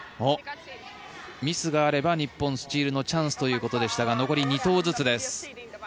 ミスがあれば日本、スチールのチャンスということですが残り２投ずつです。